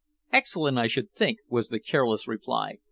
"Excellent, I should think," was the careless reply.